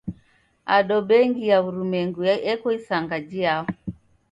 Ado bengi ya w'urumwengu eko isanga jiao?